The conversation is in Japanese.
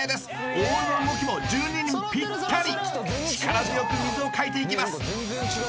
オールの動きも１２人ピッタリ力強く水をかいていきます